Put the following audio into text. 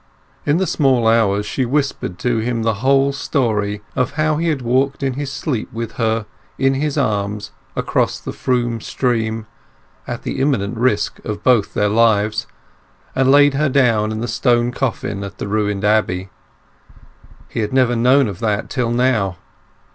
In the small hours she whispered to him the whole story of how he had walked in his sleep with her in his arms across the Froom stream, at the imminent risk of both their lives, and laid her down in the stone coffin at the ruined abbey. He had never known of that till now.